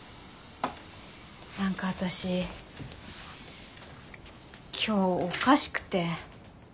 何か私今日おかしくて。